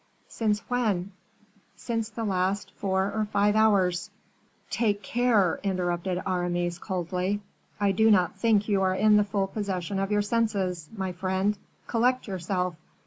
"Since when?" "Since the last four or five hours." "Take care," interrupted Aramis, coldly; "I do not think you are in the full possession of your senses, my friend; collect yourself."